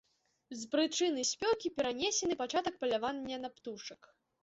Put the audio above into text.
З прычыны спёкі перанесены пачатак палявання на птушак.